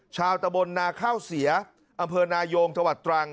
ชาวตะบลนาข้าวเสียอำเภอนายงจวัตรตรัง